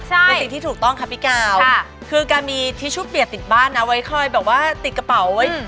เป็นสิ่งที่ถูกต้องค่ะพี่กาวคือการมีทิชชู่เปียกติดบ้านนะไว้คอยแบบว่าติดกระเป๋าไว้